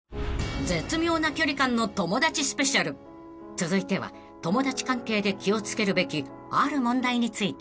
［続いては友達関係で気を付けるべきある問題について］